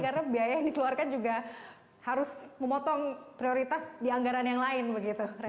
karena biaya yang dikeluarkan juga harus memotong prioritas di anggaran yang lain begitu